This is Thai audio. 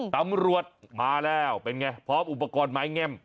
ตำรวจมาแล้วเป็นไงพร้อมอุปกรณ์ไม้แง่ม